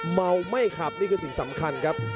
เมาไม่ขับนี่คือสิ่งสำคัญครับ